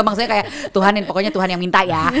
maksudnya kayak tuhan yang minta ya